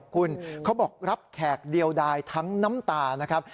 คุณเขาบอกรับแขกเดียวดายทั้งน้ำตานะครับ